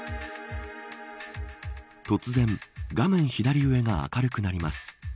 突然画面左上が明るくなります。